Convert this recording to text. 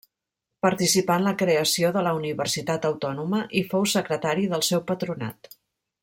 Participà en la creació de la Universitat Autònoma i fou secretari del seu Patronat.